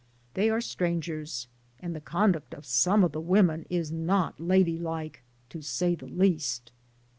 They are strangers, and the conduct of some of the women is not ladylike, to say the least.